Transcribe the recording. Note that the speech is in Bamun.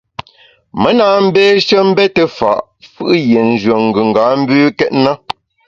Me na mbeshe mbete fa’ fù’ yie nyùen gùnga mbükét na.